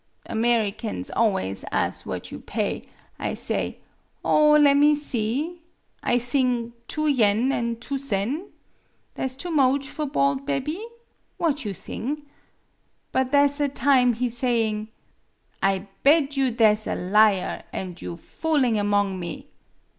Americans always as' what you pay. I say :' Oh, lemme see. I thing, two yen an' two sen. Tha' 's too moach for bald bebby ?' What you thing ? But tha' 's a time he say ing: ' I bed you tha' 's a liar; an' you fooling among me.'